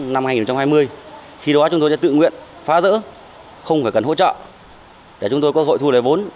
năm hai nghìn hai mươi khi đó chúng tôi sẽ tự nguyện phá rỡ không phải cần hỗ trợ để chúng tôi có cơ hội thu lời vốn